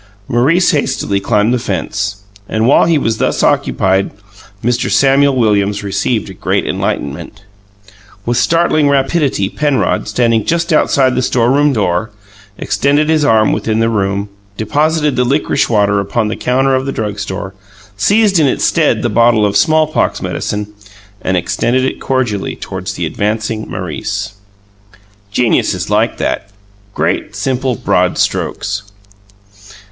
Maurice hastily climbed the fence, and while he was thus occupied Mr. Samuel Williams received a great enlightenment. With startling rapidity Penrod, standing just outside the storeroom door, extended his arm within the room, deposited the licorice water upon the counter of the drug store, seized in its stead the bottle of smallpox medicine, and extended it cordially toward the advancing Maurice. Genius is like that great, simple, broad strokes!